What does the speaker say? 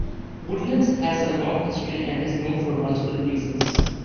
Woodlands has a long history and is known for multiple reasons.